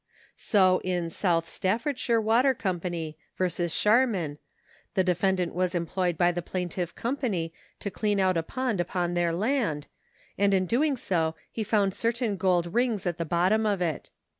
So in /South Staffordshire Water Co. v. Sharman ^ the defendant was employed by the plaintiff company to clean out a pond upon their land, and in doing so he found certain gold rings at the bottom of it.